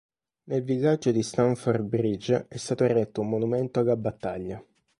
Nel villaggio di Stamford Bridge è stato eretto un monumento alla battaglia.